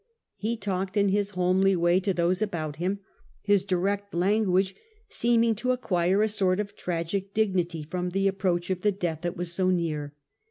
He talked in his homely way to those about him, his direct lan guage seeming to acquire a sort of tragic dignity from the approach of the death that was so near.